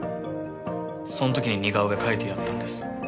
その時に似顔絵描いてやったんです。